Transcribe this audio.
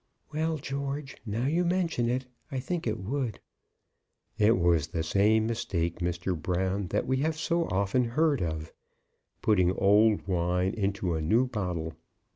"Well, George, now you mention it, I think it would." "It was the same mistake, Mr. Brown, that we have so often heard of, putting old wine into a new bottle.